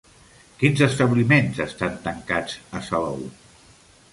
Quins establiments estan tancats a Salou?